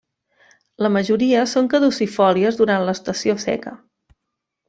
La majoria són caducifòlies durant l'estació seca.